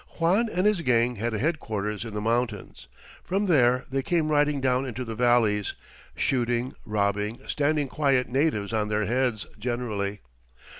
Juan and his gang had a headquarters in the mountains. From there they came riding down into the valleys shooting, robbing, standing quiet natives on their heads generally.